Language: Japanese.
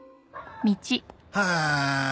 はあ。